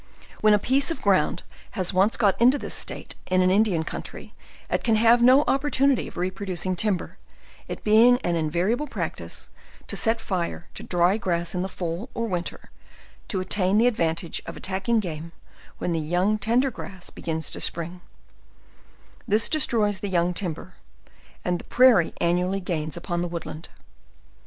When a piece of ground has once got into this state, in an Indian country, it can have no opportunity of re producing timber, it being an invariable practice to set fire to dry grass in the fall or win ter, to attain the advantage of attacking game when the young tender grass begins to spring: this destroys the young timber; and the prairie annually gains upon the woodland.